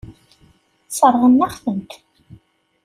Sseṛɣen-aɣ-tent.